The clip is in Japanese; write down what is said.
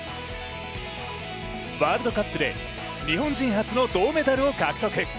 ワールドカップで日本人初の銅メダルを獲得。